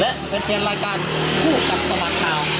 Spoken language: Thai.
และเป็นเพลงรายการคู่กัดสบัติข่าว